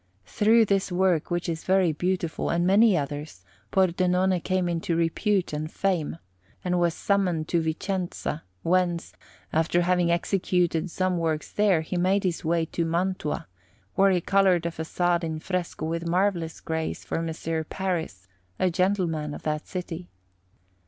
Through this work, which is very beautiful, and many others, Pordenone came into repute and fame, and was summoned to Vicenza, whence, after having executed some works there, he made his way to Mantua, where he coloured a façade in fresco with marvellous grace for M. Paris, a gentleman of that city.